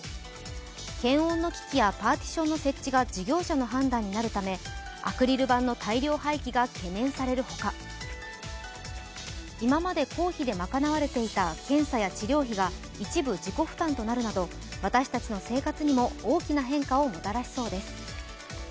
検温の機器やパーティションの設置が事業者の判断になるためアクリル板の大量廃棄が懸念されるほか、今まで公費で賄われていた検査や治療費が一部自己負担となるなど私たちの生活にも大きな変化をもたらしそうです。